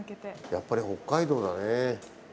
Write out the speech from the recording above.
やっぱり北海道だね。